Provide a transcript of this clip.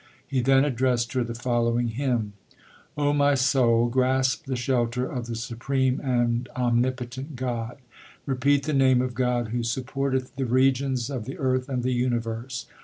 He then addressed her the following hymn : O my soul, grasp the shelter of the Supreme and Omnipo tent God. Repeat the name of God who supporteth the regions of the earth and the universe.